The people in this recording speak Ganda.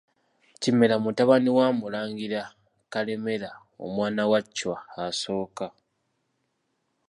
KIMERA mutabani wa Mulangira Kalemeera omwana wa Chwa I.